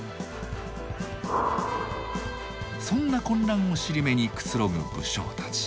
そんな混乱を尻目にくつろぐ武将たち。